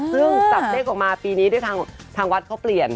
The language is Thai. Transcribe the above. ซึ่งจับเลขออกมาปีนี้ด้วยทางวัดเขาเปลี่ยน